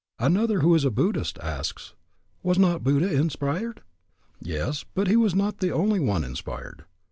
Another who is a Buddhist asks, "Was not Buddha inspired?" Yes, but he was not the only one inspired.